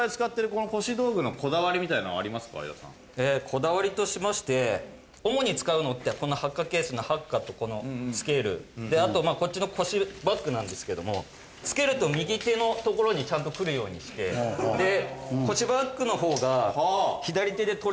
こだわりとしまして主に使うのってこのハッカーケースのハッカーとこのスケールあとまあこっちの腰バッグなんですけども着けると右手のところにちゃんと来るようにしてで腰バッグの方が左手で取れるように。